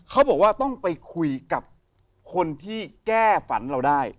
เขาบอกว่าต้องไปคุยกับคนที่แก้ฝันเราได้